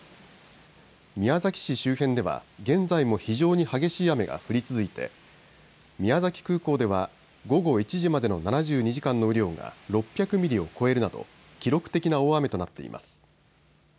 宮崎市周辺では現在も非常に激しい雨が降り続いて宮崎空港では午後１時までの７２時間の雨量が６００ミリを超えるなど記録的な大雨となっています。